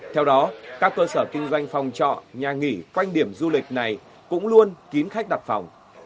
theo đó các cơ sở kinh doanh phòng trọ nhà nghỉ quanh điểm du lịch này cũng luôn kín khách đặt phòng